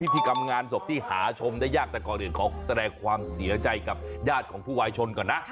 พิธีกรรมงานศพที่หาชมได้ยากแต่ก่อนอื่นขอแสดงความเสียใจกับญาติของผู้วายชนก่อนนะ